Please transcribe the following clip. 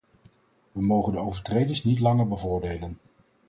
We mogen de overtreders niet langer bevoordelen.